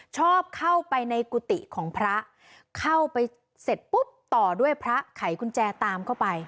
ชอบเข้าไปในกุฏิของพระเข้าไปเสร็จปุ๊บต่อด้วยพระไขกุญแจตามเข้าไป